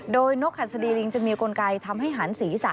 โดยนกหัสดีลิงจะมีกลไกทำให้หันศีรษะ